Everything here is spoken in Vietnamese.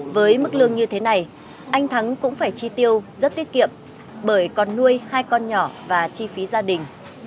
với mức lương như thế này anh thắng cũng phải chi tiêu rất tiết kiệm bởi còn nuôi hai con nhỏ và chi phí gia đình